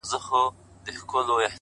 زړه مي له رباب سره ياري کوي،